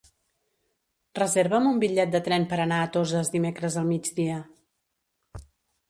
Reserva'm un bitllet de tren per anar a Toses dimecres al migdia.